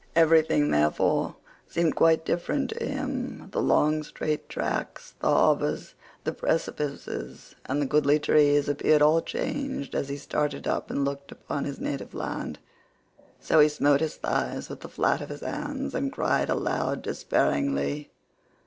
Everything, therefore, seemed quite different to him—the long straight tracks, the harbours, the precipices, and the goodly trees, appeared all changed as he started up and looked upon his native land. So he smote his thighs with the flat of his hands and cried aloud despairingly.